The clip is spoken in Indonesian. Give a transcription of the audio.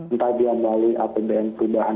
entah dia melalui apbn perubahan